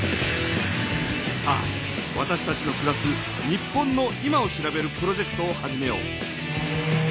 さあわたしたちのくらす日本の今を調べるプロジェクトを始めよう。